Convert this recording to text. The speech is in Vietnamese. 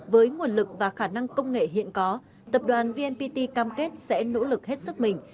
với nguồn lực và khả năng công nghệ hiện có tập đoàn vnpt cam kết sẽ nỗ lực hết sức mình